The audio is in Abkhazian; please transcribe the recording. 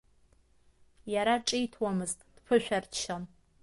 Иара ҿиҭуамызт, дԥышәарччон.